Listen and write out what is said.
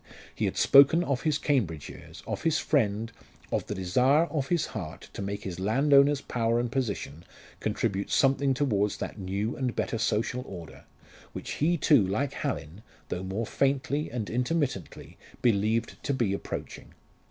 He had spoken of his Cambridge years, of his friend, of the desire of his heart to make his landowner's power and position contribute something towards that new and better social order, which he too, like Hallin though more faintly and intermittently believed to be approaching.